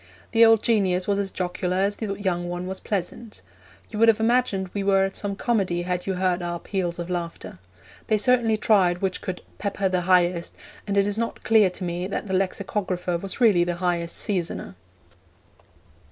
The old genius was as jocular as the young one was pleasant. You would have imagined we were at some comedy had you heard our peals of laughter. They certainly tried which could 'pepper the highest,' and it is not clear to me that the lexicographer was really the highest seasoner.